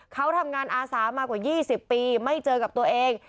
เขาทำงานอาสามากว่า๒๐ปีไม่เจอกับตัวเอง